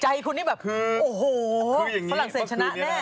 คุณนี่แบบโอ้โหฝรั่งเศสชนะแน่